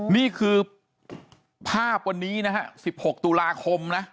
นี่คือภาพวันนี้นะฮะ๑๖ตุลาคมนะ